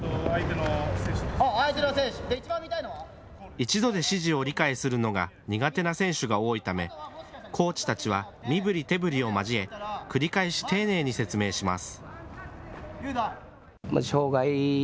一度で指示を理解するのが苦手な選手が多いためコーチたちは身ぶり手ぶりを交え繰り返し丁寧に説明します。